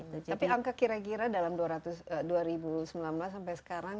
tapi angka kira kira dalam dua ribu sembilan belas sampai sekarang